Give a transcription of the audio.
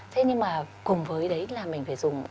thế nhưng mà cùng với đấy là mình phải dùng